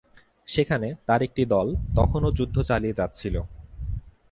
সেখানে তার একটি দল তখনো যুদ্ধ চালিয়ে যাচ্ছিল।